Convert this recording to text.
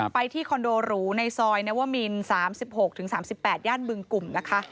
ไปที่คอนโดหรูในซอยแนวเวอร์มิน๓๖๓๘ย่านบึงกลุ่ม